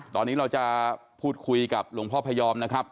ตอนนี้เราจะพูดคุยกับหลวงพ่อพยอมนะครับ